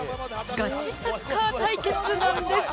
ガチサッカー対決なんです